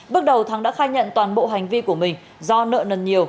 bước đầu thắng đã khai nhận toàn bộ hành vi của mình do nợ nần nhiều